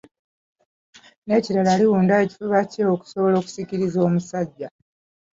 N'ekirala liwunda ekifuba kye okusobola okusikiriza omusajja.